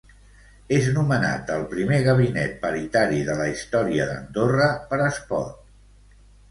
És nomenat el primer gabinet paritari de la història d'Andorra per Espot.